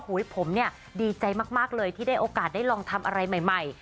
ผมเนี่ยดีใจมากเลยที่ได้โอกาสได้ลองทำอะไรใหม่